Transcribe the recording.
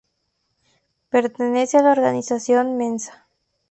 Pertenece a la organización Mensa.